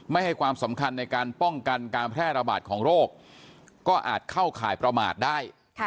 ให้ความสำคัญในการป้องกันการแพร่ระบาดของโรคก็อาจเข้าข่ายประมาทได้